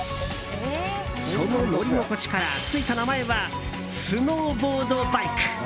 その乗り心地から、ついた名前はスノーボードバイク。